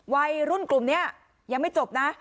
วัยรุ่นกลุ่มนี้ยังไม่จบนะ